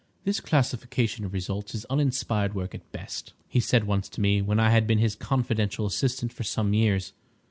"This classification of results is uninspired work at best," he said once to me, when I had been his confidential assistant for some years.